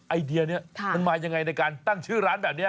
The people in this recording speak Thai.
ไอเดียนี้มันมายังไงในการตั้งชื่อร้านแบบนี้